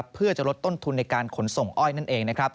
เพื่อจะลดต้นทุนในการขนส่งอ้อยนั่นเอง